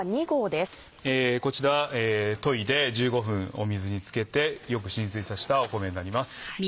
こちらといで１５分水につけてよく浸水させた米になります。